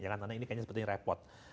karena ini sepertinya repot